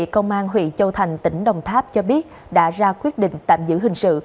công an huyện châu thành tỉnh đồng tháp cho biết đã ra quyết định tạm giữ hình sự